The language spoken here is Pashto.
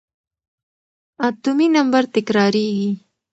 اتومي نمبر تکرارېږي.